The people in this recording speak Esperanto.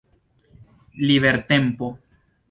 libertempo